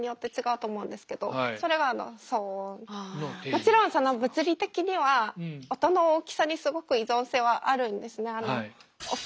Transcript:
もちろんその物理的には音の大きさにすごく依存性はあるんですね。